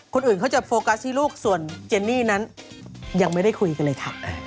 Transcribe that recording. คนอื่นเขาจะโฟกัสให้ลูกส่วนเจนนี่นั้นยังไม่ได้คุยกันเลยค่ะ